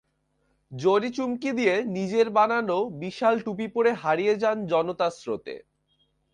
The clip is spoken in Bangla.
জরি-চুমকি দিয়ে নিজের বানানো বিশাল টুপি পরে হারিয়ে যান জনতার স্রোতে।